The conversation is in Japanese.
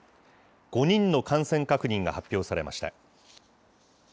５人の感染確認が発表されました。